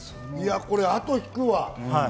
これは後引くわ。